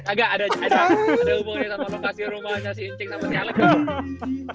agak ada hubungannya sama lokasi rumahnya si incing sama si alec bu